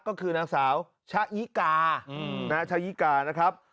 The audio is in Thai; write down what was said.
ก็คือนางสาวชะยิกาชะยิกานะครับ